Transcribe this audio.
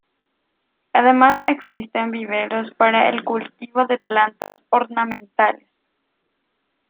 Además existen viveros para el cultivo de plantas ornamentales.